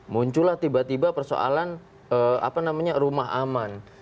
muncullah tiba tiba persoalan rumah aman